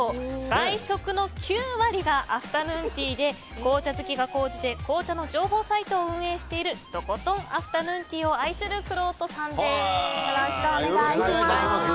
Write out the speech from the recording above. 外食の９割がアフタヌーンティーで紅茶好きが高じて紅茶の情報サイトを運営しているとことんアフタヌーンティーを愛するくろうとさんです。